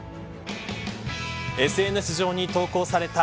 ＳＮＳ上に投稿された